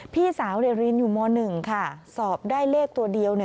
พี่สาวเรียนอยู่ม๑ค่ะสอบได้เลขตัวเดียว